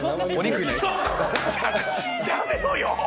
やめろよ！